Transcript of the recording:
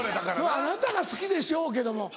あなたは好きでしょうけども。